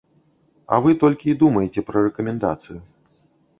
А вы толькі і думаеце пра рэкамендацыю.